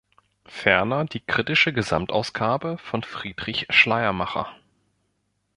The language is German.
Ferner die Kritische Gesamtausgabe von Friedrich Schleiermacher.